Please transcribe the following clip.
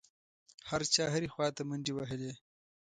هر چا هرې خوا ته منډې وهلې.